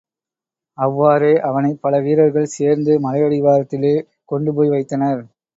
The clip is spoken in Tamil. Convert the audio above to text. அவ்வாறே அவனைப் பல வீரர்கள் சேர்ந்து மலையடிவாரத்திலே கொண்டு போய் வைத்தனர்.